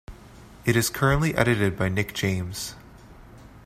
It is currently edited by Nick James.